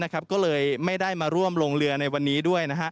ก็เลยไม่ได้มาร่วมลงเรือในวันนี้ด้วย